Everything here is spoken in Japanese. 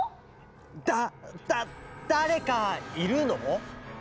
だだだれかいるの？